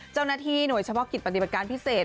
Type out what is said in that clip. เจ้าหน้าที่หน่วยเฉพาะกิจปฏิบัติการพิเศษ